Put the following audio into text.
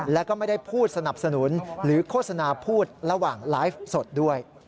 แล้วก็ไม่ได้พูดสนับสนุนหรือโฆษณาพูดระหว่างไลฟ์สดด้วย